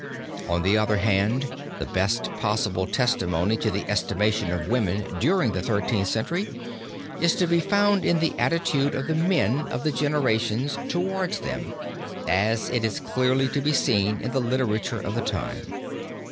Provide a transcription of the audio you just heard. On the other hand the best possible testimony to the estimation of women during the Thirteenth Century, is to be found in the attitude of the men of the generations towards them, as it is clearly to be seen in the literature of the time.